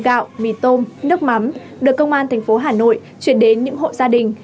gạo mì tôm nước mắm được công an thành phố hà nội chuyển đến những hộ gia đình